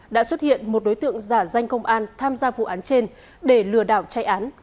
đã xuất hiện một đối tượng giả danh công an tham gia vụ án trên để lừa đảo chạy án